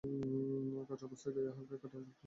কাঁচা অবস্থায় গায়ে হালকা কাঁটা যুক্ত সবুজ রং।